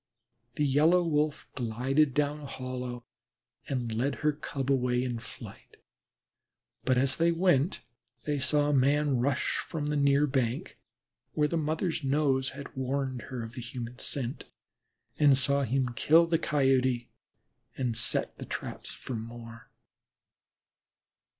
The Yellow Wolf glided down a hollow and led her Cub away in flight, but, as they went, they saw a man rush from the bank near where the mother's nose had warned her of the human scent. They saw him kill the caught Coyote and set the traps for more.